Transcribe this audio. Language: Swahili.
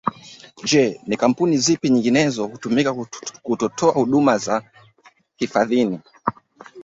Je ni kampuni zipi nyinginezo hutumika kutotoa huduma hiyo hifadhini